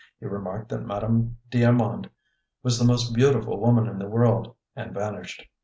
He remarked that Madame d'Armand was the most beautiful woman in the world, and vanished.